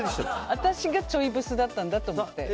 私がちょいブスだったんだと思って。